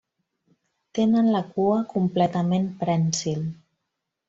Tenen la cua completament prènsil.